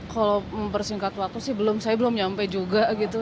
kalau mempersingkat waktu sih belum saya belum nyampe juga gitu